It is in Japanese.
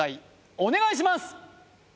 お願いします！